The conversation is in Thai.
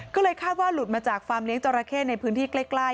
ก็เลยคาดว่าหลุดมาจากฟาร์มเลี้ยจราเข้ในพื้นที่ใกล้